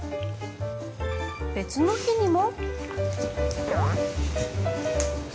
別の日にも。